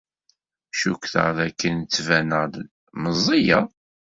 Cukkteɣ dakken ttbaneɣ-d meẓẓiyeɣ.